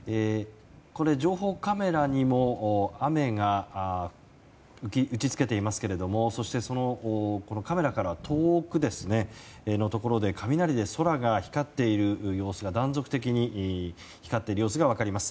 情報カメラにも雨が打ち付けていますがそして、そのカメラから遠くのところで雷で空が光っている様子が断続的に光っている様子が分かります。